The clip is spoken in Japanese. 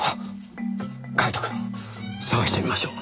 カイトくん探してみましょう。